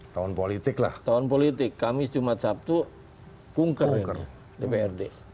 tahun politik lah tahun politik kamis jumat sabtu kungker ungker dprd